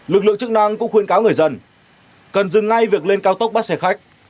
lực lượng chức năng cũng khuyên cáo người dân cần dừng ngay việc lên cao tốc bắt xe khách